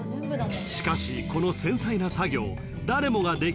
［しかしこの繊細な作業］